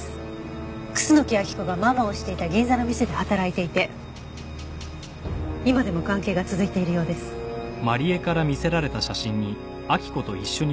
楠木昭子がママをしていた銀座の店で働いていて今でも関係が続いているようです。来ました。